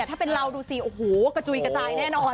ถ้าเป็นเราดูสิโอ้โหกระจุยกระจายแน่นอน